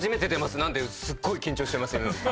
すっごい緊張してます。